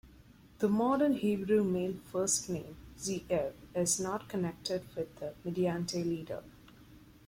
The modern Hebrew male first name Ze'ev is not connected with the Midianite leader.